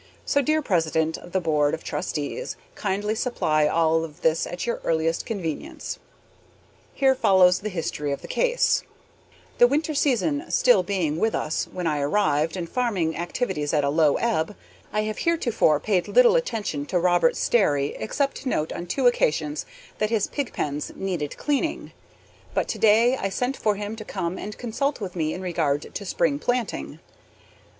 So, dear president of the board of trustees, kindly supply all of this at your earliest convenience. Here follows the history of the case: The winter season still being with us when I arrived and farming activities at a low ebb, I have heretofore paid little attention to Robert Sterry except to note on two occasions that his pigpens needed cleaning; but today I sent for him to come and consult with me in regard to spring planting.